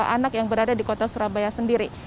anak yang berada di kota surabaya sendiri